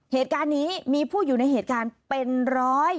เหตุการณ์นี้มีผู้อยู่ในเหตุการณ์เป็นร้อย